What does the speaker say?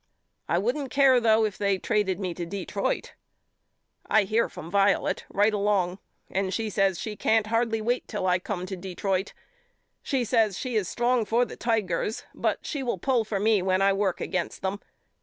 I wouldn't care though if they traded me to Detroit. I hear from Violet right along and she says she can't hardly wait till I come to Detroit. She says she is strong for the Tigers but she will pull for me when I work against them.